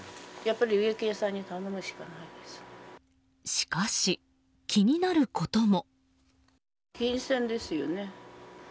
しかし、気になることも。